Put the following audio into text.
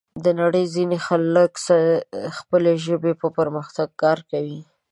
د نړۍ ځینې خلک د خپلې ژبې په پرمختګ کې کار کوي.